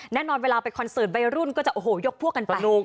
แน่นอนเวลาไปคอนเสิร์ตวัยรุ่นก็จะโอ้โหยกพวกกันไป